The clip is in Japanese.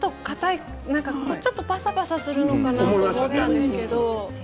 もうちょっとぱさぱさするのかなと思ったんですけど。